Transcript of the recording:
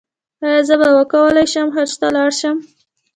ایا زه به وکولی شم حج ته لاړ شم؟